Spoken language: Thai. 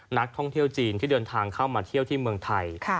นักท่องเที่ยวจีนที่เดินทางเข้ามาเที่ยวที่เมืองไทย